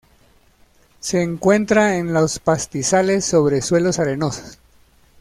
Se encuentra en los pastizales sobre suelos arenosos.